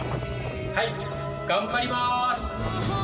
はい頑張ります。